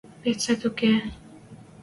Пецӓт уке...